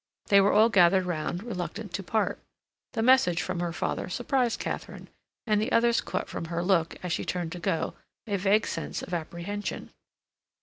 They were all gathered round, reluctant to part. The message from her father surprised Katharine, and the others caught from her look, as she turned to go, a vague sense of apprehension.